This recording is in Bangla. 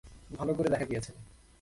ভালো করে দেখার কী আছে?